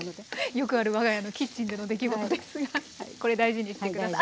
よくある我が家のキッチンでの出来事ですがこれ大事にして下さい。